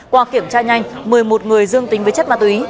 qua kiểm tra nhanh một mươi một người dương tính với chất ma túy